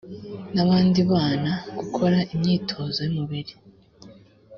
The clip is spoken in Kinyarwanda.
n abandi bana gukora imyitozo y umubiri